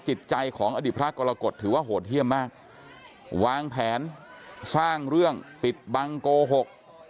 จิตใจของอดีตพระกรกฎถือว่าโหดเยี่ยมมากวางแผนสร้างเรื่องปิดบังโกหก